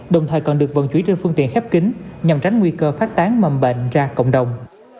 đồng thời còn được vận chuyển trên phương tiện khép kính nhằm tránh nguy cơ phát tán mầm bệnh ra cộng đồng